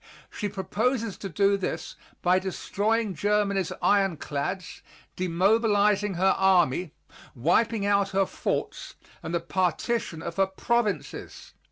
She proposes to do this by destroying Germany's ironclads, demobilizing her army, wiping out her forts, and the partition of her provinces.